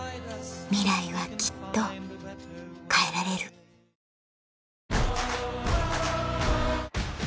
ミライはきっと変えられるおはよう。